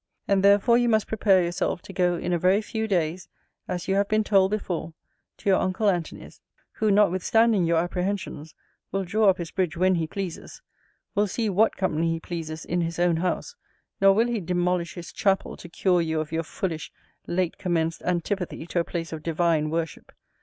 And therefore you must prepare yourself to go in a very few days, as you have been told before, to your uncle Antony's; who, notwithstanding you apprehensions, will draw up his bridge when he pleases; will see what company he pleases in his own house; nor will he demolish his chapel to cure you of your foolish late commenced antipathy to a place of divine worship.